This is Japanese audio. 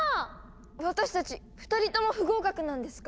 私たち２人とも不合格なんですか？